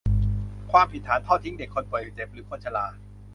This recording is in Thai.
ความผิดฐานทอดทิ้งเด็ก คนป่วยเจ็บ หรือคนชรา